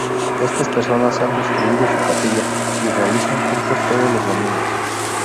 Estas personas han construido su capilla y realizan cultos todos los domingos.